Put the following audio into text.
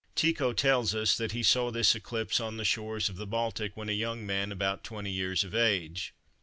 Tycho tells us that he saw this eclipse on the shores of the Baltic when a young man about 20 years of age.